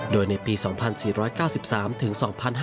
โดยในปี๒๔๙๓ถึง๒๕๕๙